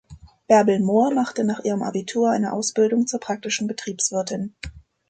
Bärbel Mohr machte nach ihrem Abitur eine Ausbildung zur praktischen Betriebswirtin.